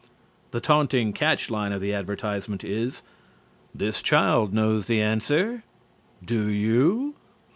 The taunting catch line of the advertisement is: "This Child Knows the Answer Do You?"